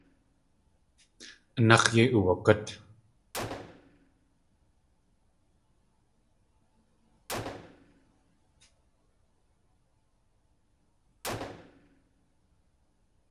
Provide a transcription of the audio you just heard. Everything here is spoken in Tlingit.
Anax̲ yei uwagút.